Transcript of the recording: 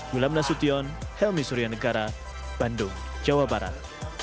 wilam nasution helmi suryanegara bandung jawa barat